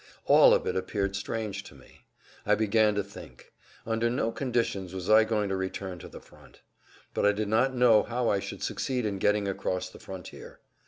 All of it appeared strange to me. I began to think. Under no conditions was I going to return to the front. But I did not know how I should succeed in getting across the frontier.